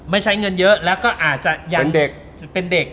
ไม่ใช้เงินเยอะแล้วก็อาจจะเป็นเด็ก